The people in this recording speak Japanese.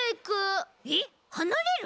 えっはなれる！？